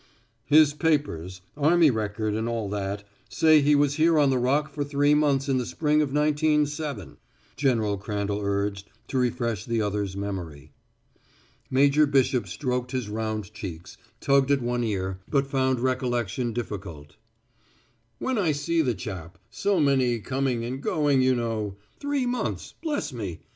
"His papers army record and all that say he was here on the Rock for three months in the spring of nineteen seven," General Crandall urged, to refresh the other's memory. Major Bishop stroked his round cheeks, tugged at one ear, but found recollection difficult. "When I see the chap so many coming and going, you know. Three months bless me!